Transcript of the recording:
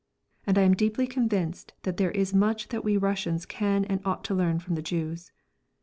And I am deeply convinced that there is much that we Russians can and ought to learn from the Jews.